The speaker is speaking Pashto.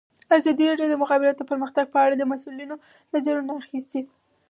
ازادي راډیو د د مخابراتو پرمختګ په اړه د مسؤلینو نظرونه اخیستي.